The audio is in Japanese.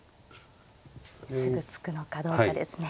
すぐ突くのかどうかですね。